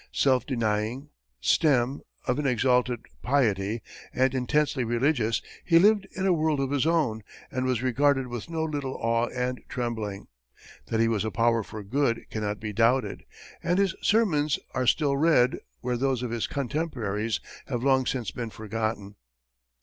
Self denying, stern, of an exalted piety, and intensely religious, he lived in a world of his own, and was regarded with no little awe and trembling. That he was a power for good cannot be doubted, and his sermons are still read, where those of his contemporaries have long since been forgotten.